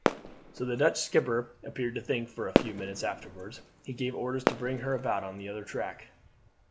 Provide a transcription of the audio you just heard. So the Dutch skipper appeared to think, for a few minutes afterwards he gave orders to bring her about on the other tack.